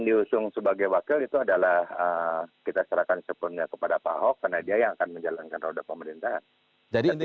brush fbi dan negara untuk